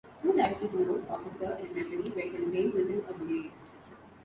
Two types of node, processor and memory, were contained within a blade.